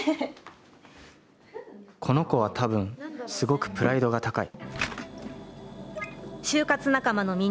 「この子は、多分、すごくプライドが高い」。